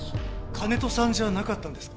金戸さんじゃなかったんですか？